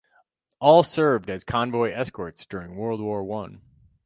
All served as convoy escorts during World War One.